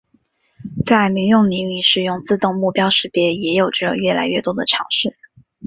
在民用领域使用自动目标识别也有着越来越多的尝试。